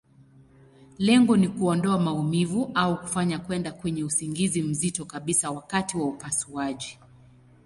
Lengo ni kuondoa maumivu, au kufanya kwenda kwenye usingizi mzito kabisa wakati wa upasuaji.